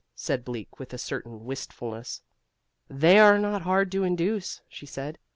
said Bleak, with a certain wistfulness. "They are not hard to induce," she said.